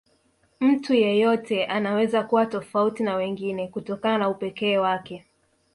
Mtu yeyote anaweza kuwa tofauti na wengine kutokana na upekee wake